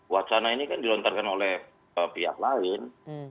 wacana ini kan dilontarkan oleh pihak lain